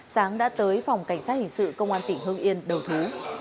sáng đã tới phòng cảnh sát hình sự công an tỉnh hưng yên đầu thú